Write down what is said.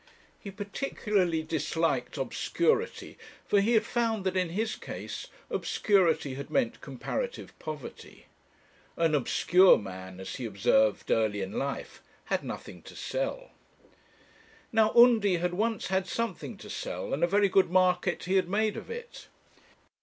He particularly disliked obscurity for he had found that in his case obscurity had meant comparative poverty. An obscure man, as he observed early in life, had nothing to sell. Now, Undy had once had something to sell, and a very good market he had made of it.